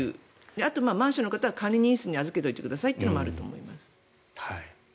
あと、マンションの方は管理人室に預けておいてくださいというのもあるかと。